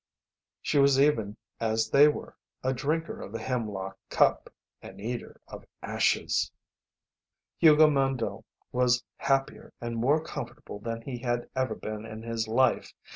She was even as they were, a drinker of the hemlock cup, an eater of ashes. Hugo Mandle was happier and more comfortable than he had ever been in his life.